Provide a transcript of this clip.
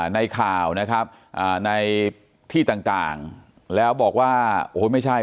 ในข่าวนะครับในที่ต่างแล้วบอกว่าโอ้ยไม่ใช่